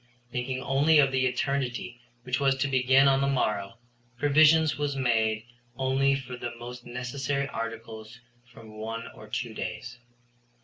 Thinking only of the eternity which was to begin on the morrow, provision was made only for the most necessary articles for one or two days.